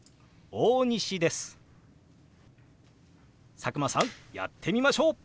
佐久間さんやってみましょう！